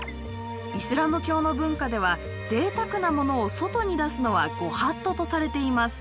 イスラム教の文化ではぜいたくなものを外に出すのはご法度とされています。